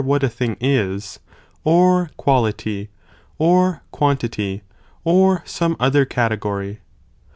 what a thing is, or quality, or quantity, or some other cate gory.!